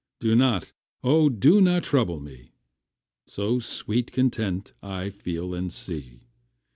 Do not, O do not trouble me, So sweet content I feel and see.